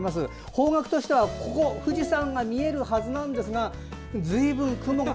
方角としては富士山が見えるはずなんですがずいぶん雲が。